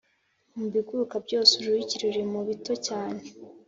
Mu biguruka byose, uruyuki ruri mu bito cyane,